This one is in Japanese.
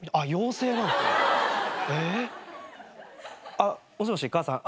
あっもしもし母さん？